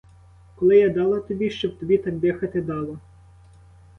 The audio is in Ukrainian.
Коли я дала тобі, щоб тобі так дихати дало?